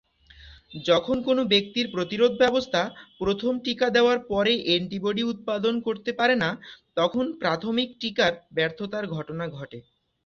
যখন কোনও ব্যক্তির প্রতিরোধ ব্যবস্থা প্রথম টিকা দেওয়ার পরে অ্যান্টিবডি উৎপাদন করতে পারে না তখন প্রাথমিক টিকার ব্যর্থতার ঘটনা ঘটে।